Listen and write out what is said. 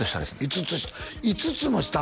５つ下５つも下なの！？